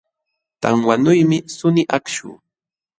Tanwanuymi suni akshu